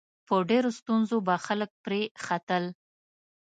په ډېرو ستونزو به خلک پرې ختل.